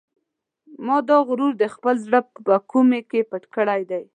ما دا غرور د خپل زړه په کومې کې پټ کړی دی.